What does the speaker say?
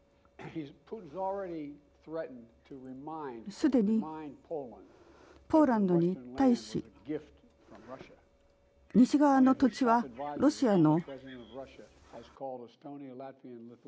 すでにポーランドに対し西側の土地はロシアの。